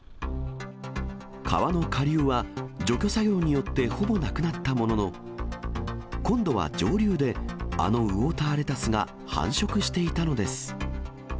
川の下流は除去作業によってほぼなくなったものの、今度は上流で、あのウオーターレタスが繁殖していたのです。